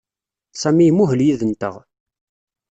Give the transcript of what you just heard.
Sami imuhel yid-nteɣ.